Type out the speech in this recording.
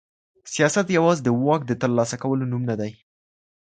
سياست يوازي د واک د ترلاسه کولو نوم نه دی.